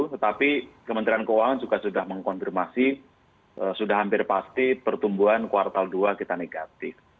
tetapi kementerian keuangan juga sudah mengkonfirmasi sudah hampir pasti pertumbuhan kuartal dua kita negatif